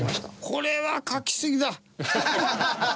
これは描きすぎだ！